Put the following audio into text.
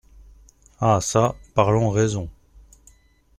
Ah ça, parlons raison.